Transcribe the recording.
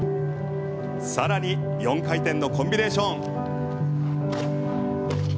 さらに４回転のコンビネーション。